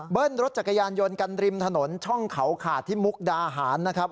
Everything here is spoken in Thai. รถจักรยานยนต์กันริมถนนช่องเขาขาดที่มุกดาหารนะครับ